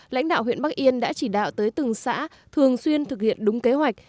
lãnh đạo huyện bắc yên đã chỉ đạo tới từng xã thường xuyên thực hiện đúng kế hoạch